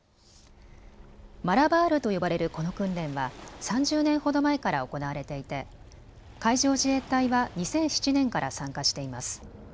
マラバールと呼ばれるこの訓練は３０年ほど前から行われていて海上自衛隊は２００７年から参加しています。